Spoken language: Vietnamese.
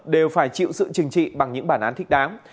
đều phải chịu sự chừng trị bằng những bản án thích đáng